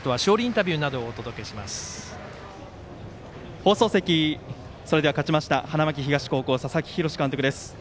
放送席、それでは勝ちました花巻東高校の佐々木洋監督です。